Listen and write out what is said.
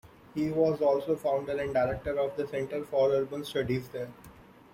He was also founder and director of the Center for Urban Studies there.